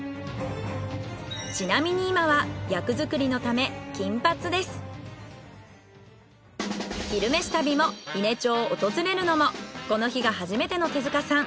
ちなみに今は「昼めし旅」も伊根町を訪れるのもこの日が初めての手塚さん。